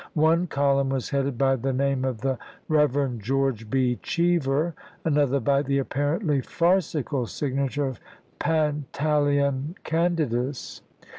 One column was headed by the name of the Kev. George B. Cheever, another by the apparently farcical signature of Pantaleon Candidus.